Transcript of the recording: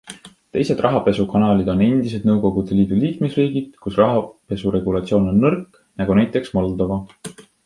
Teised rahapesukanalid on endised Nõukogude Liidu liikmesriigid, kus rahapesuregulatsioon on nõrk, nagu näiteks Moldova.